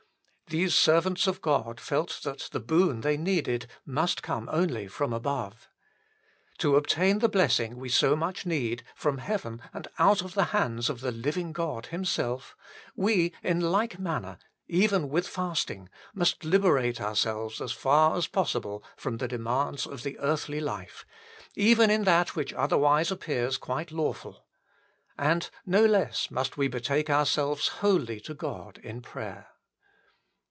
1 These servants of God felt 1 Acts xiii. 2, 3. INTRODUCTION 5 that the boon they needed must come only from above. To obtain the blessing we so much need, from heaven and out of the hands of the living God Himself, we in like manner, even with fasting, must liberate ourselves as far as possible from the demands of the earthly life, even in that which otherwise appears quite lawful ; and no less must we betake ourselves wholly to God in prayer.